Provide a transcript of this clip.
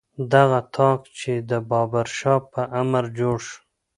دغه طاق چې د بابر شاه په امر جوړ شو.